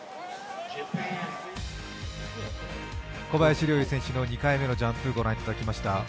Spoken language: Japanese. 小林陵侑選手の２回目のジャンプ、御覧いただきました。